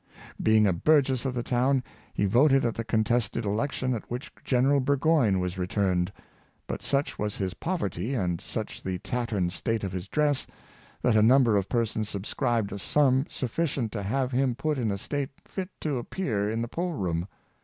Being a burgess of the town, he voted at the contested election at which General Burgoyne was returned ; but such was his pov erty, and such the tattered state of his dress, that a number of persons subscribed a sum sufficient to have him put in a state fit to appear in the poll room.